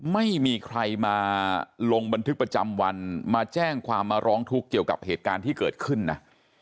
ไม่มีใครมาลงบันทึกประจำวันมาแจ้งความมาร้องทุกข์เกี่ยวกับเหตุการณ์ที่เกิดขึ้นนะ